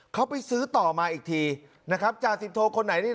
เขาไปซื้อต่อมาอีกทีนะครับจ่าสิบโทคนไหนนี่